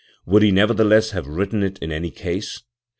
31 he nevertheless have written it in any case?